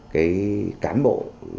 cái cán bộ